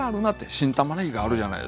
新たまねぎがあるじゃないですか。